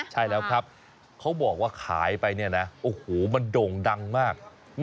ใช่แล้วครับเขาบอกว่าขายไปเนี่ยนะโอ้โหมันโด่งดังมาก